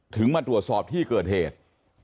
มาตรวจสอบที่เกิดเหตุ